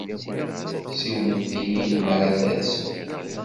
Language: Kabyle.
Siwlet-iyi-d mi ara d-tersem.